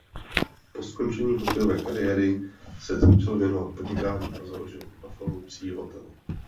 Po skončení hokejové kariéry se začal věnovat podnikání a založil v Buffalu psí hotel.